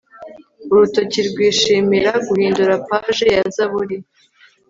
Urutoki rwishimira guhindura page ya Zaburi